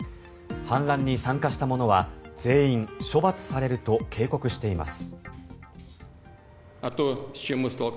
反乱に参加した者は全員処罰されると警告しています。